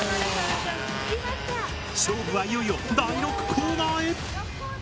勝負はいよいよ第６コーナーへ。